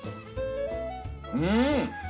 うん！